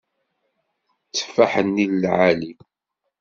Tteffaḥ-nni lɛali.